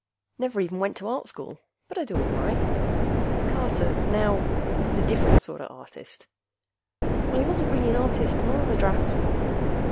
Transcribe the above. Never even went to Art School. But I do all right. Carter, now, was a different sorta artist. Well, he wasn't really an artist more of a draftsman.